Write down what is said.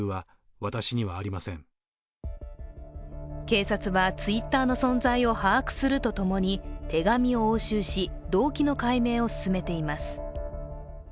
警察は、Ｔｗｉｔｔｅｒの存在を把握するとともに、手紙を押収し、動機の解明を進めています。